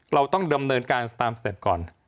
เราต้องดำเนินการตามสเต็ปก่อน